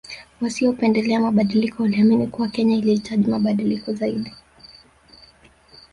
Wasiopendelea mabadiliko waliamini kuwa Kenya ilihitaji mabadiliko zaidi